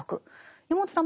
山本さん